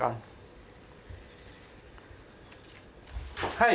はい。